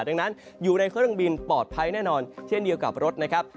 ดังนั้นอยู่ในเครื่องบินปลอดภัยแน่นอนเช่นเดียวกับรถนะครับ